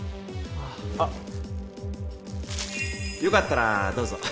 あ良かったらどうぞ。